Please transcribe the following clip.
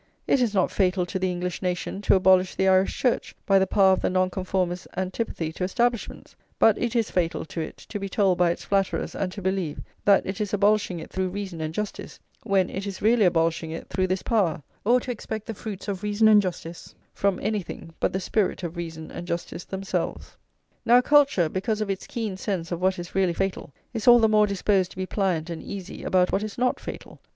It is not fatal to the English nation to abolish the Irish Church by the power of the Nonconformists' antipathy to establishments; but it is fatal to it to be told by its flatterers, and to believe, that it is abolishing it through reason and justice, when it is really abolishing it through this power; or to expect the fruits of reason and justice from anything but the spirit of reason and justice themselves. Now culture, because of its keen sense of what is really fatal, is all the more disposed to be pliant and easy about what is not fatal.